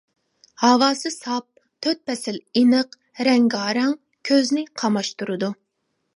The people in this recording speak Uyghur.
ھاۋاسى ساپ، تۆت پەسىل ئېنىق، رەڭگارەڭ، كۆزنى قاماشتۇرىدۇ.